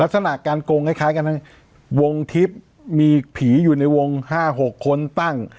ลักษณะการโกงคล้ายคล้ายกันทั้งนั้นวงทิศมีผีอยู่ในวงห้าหกคนตั้ง